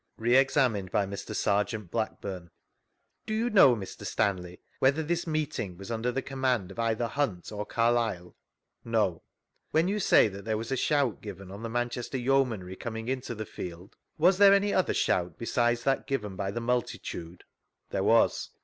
Re examined by Mr. Serjeant Blaceburng : Do you know, Mr. Stanley, whether this meet ing was under the command c^ either Himt or Carlile?— No. iW!hen you say there was a shout given on the Manchester Yeomanry coming into the field, was there any other shout besides that given by the multitude?— There was.